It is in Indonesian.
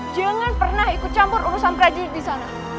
jangan pernah ikut campur urusan prajin di sana